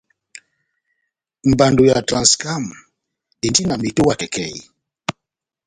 Mbando ya Transcam endi na metowa kɛkɛhi.